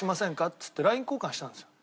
っつってＬＩＮＥ交換したんですよ。